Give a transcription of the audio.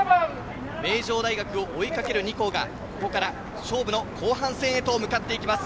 名城大学を追いかける２校がここから勝負の後半戦へと向かっていきます。